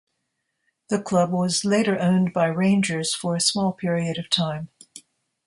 The club was later owned by Rangers for a small period of time.